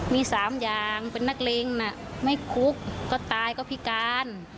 มี๓อย่างเป็นนักเลงน่ะไม่คุกก็ตายก็พิการ